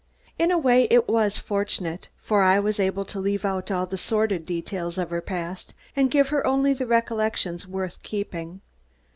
In a way, it was fortunate, for I was able to leave out all the sordid details of her past and give her only the recollections worth keeping.